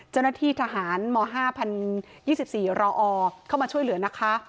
เจ้าหน้าที่ทหารม๕๐๒๔รอเข้ามาช่วยเหลือนะคะ